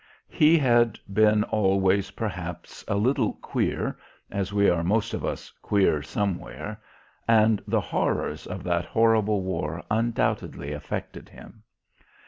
He had been always perhaps a little "queer," as we are most of us "queer" somewhere, and the horrors of that horrible war undoubtedly affected him.